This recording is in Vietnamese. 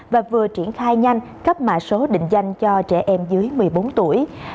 và vừa triển khai nhanh cấp mã số định danh cho trẻ em dưới một mươi bốn tuổi